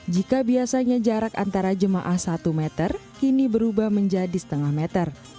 jika biasanya jarak antara jemaah satu meter kini berubah menjadi setengah meter